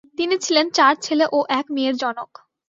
তিনি ছিলেন চার ছেলে ও এক মেয়ের জনক।